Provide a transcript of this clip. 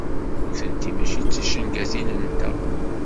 Nutenti mačči d ticengatin-nteɣ.